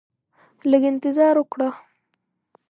لږ انتظار وکړه